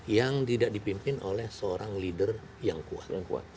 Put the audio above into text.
yang tidak dipimpin oleh seorang leader yang kuat